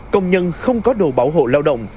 công nhân không có đồ bảo hộ lao động